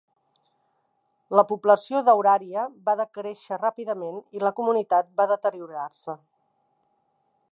La població d'Auraria va decréixer ràpidament i la comunitat va deteriorar-se.